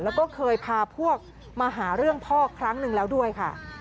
แล้วก็เคยพาพวกมาหาเรื่องพ่อครั้งหนึ่งแล้วด้วยค่ะ